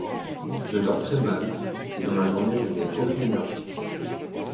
Je dors très mal, et dans la journée je n'ai aucune énergie.